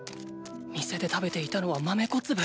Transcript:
店で食べていたのは豆５粒！